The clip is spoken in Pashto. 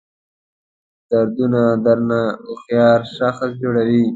دردونه درنه هوښیار شخص جوړوي.